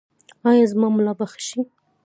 ایا زما ملا به ښه شي؟